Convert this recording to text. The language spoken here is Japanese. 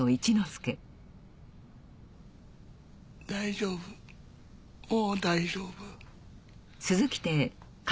大丈夫もう大丈夫。